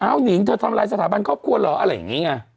หนิงเธอทำลายสถาบันครอบครัวเหรออะไรอย่างนี้ไง